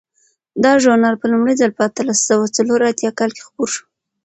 دا ژورنال په لومړي ځل په اتلس سوه څلور اتیا کال کې خپور شو.